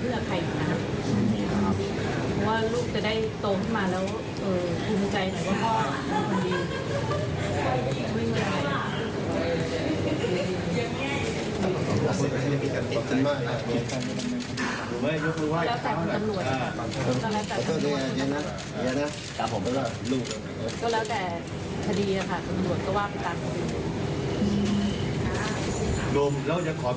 ก็จะบอกว่าที่ที่ออกความเป็นแรงเลยครับ